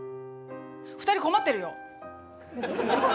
２人困ってるよ。